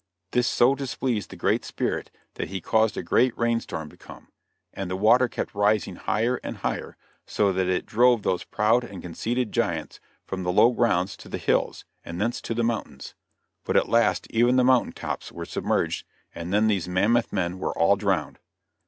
This so displeased the Great Spirit that he caused a great rain storm to come, and the water kept rising higher and higher so that it drove those proud and conceited giants from the low grounds to the hills, and thence to the mountains, but at last even the mountain tops were submerged, and then those mammoth men were all drowned.